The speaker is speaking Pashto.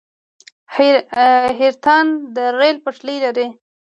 حیرتان د ریل پټلۍ لري